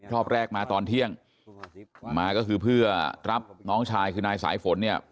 รอบแรกมาตอนเที่ยงมาก็คือเพื่อรับน้องชายคือนายสายฝนเนี่ย